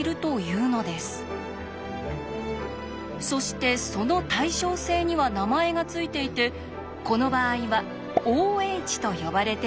そしてその対称性には名前が付いていてこの場合は「Ｏ」と呼ばれているんです。